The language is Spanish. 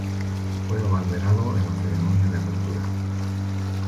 Fue abanderado en la ceremonia de apertura.